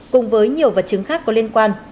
cùng với nhiều vật chứng khác có liên tục